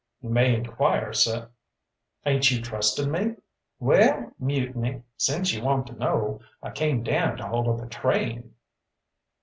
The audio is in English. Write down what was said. "You may inquire, seh." "Ain't you trusting me?" "Well, Mutiny, since you want to know, I came down to hold up a train."